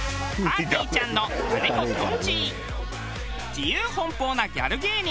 自由奔放なギャル芸人。